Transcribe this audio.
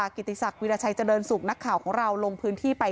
กิติศักดิราชัยเจริญสุขนักข่าวของเราลงพื้นที่ไป